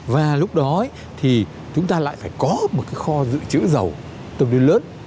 và lúc đó thì chúng ta lại phải có một cái kho dự trữ dầu tương đối lớn